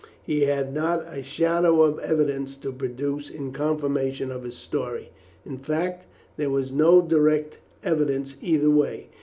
He had not a shadow of evidence to produce in confirmation of his story; in fact there was no direct evidence either way.